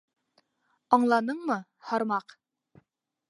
Аңланыңмы, һармаҡ?